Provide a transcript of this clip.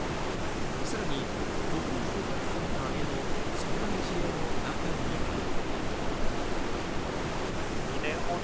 更に、国民生活センターへの相談事例の中には。